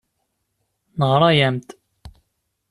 Neɣra-am-d.